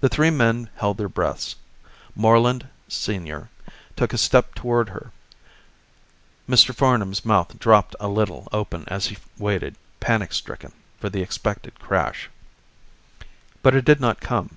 The three men held their breaths. Moreland, Senior, took a step toward her; Mr. Farnam's mouth dropped a little open as he waited, panic stricken, for the expected crash. But it did not come.